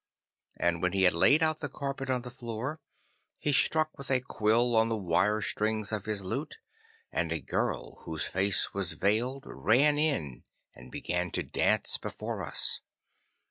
And when he had laid out the carpet on the floor, he struck with a quill on the wire strings of his lute, and a girl whose face was veiled ran in and began to dance before us.